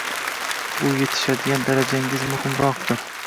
Bu yetishadigan darajangiz muhimroqdir